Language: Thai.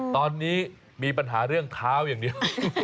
ตอนนี้มีปัญหาเรื่องเท้าอย่างเดียว